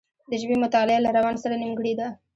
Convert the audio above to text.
د ژبې مطالعه له روان سره نېمګړې ده